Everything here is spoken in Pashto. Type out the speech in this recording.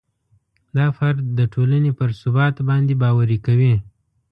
دا فرد د ټولنې پر ثبات باندې باوري کوي.